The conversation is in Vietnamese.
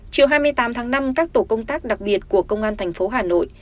chiều hai mươi tám tháng năm các tổ công tác đặc biệt của công an tp hà nội